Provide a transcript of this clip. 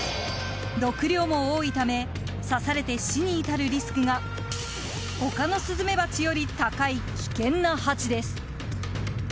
毒量も多いため刺されて死に至るリスクが他のスズメバチより高い危険なハチです。